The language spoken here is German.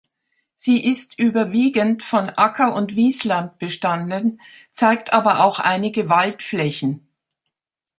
Sie ist überwiegend von Acker- und Wiesland bestanden, zeigt aber auch einige Waldflächen.